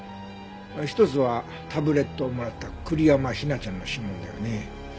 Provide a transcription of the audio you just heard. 一つはタブレットをもらった栗山陽菜ちゃんの指紋だよね。